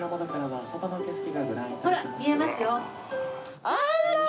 ほら見えますよ。